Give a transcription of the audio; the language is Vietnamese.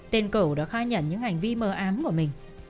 tên cầu đã khai nhận những hành vi mờ ám của mình